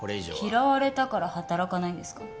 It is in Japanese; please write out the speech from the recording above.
嫌われたから働かないんですか？